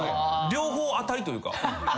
両方当たりというか。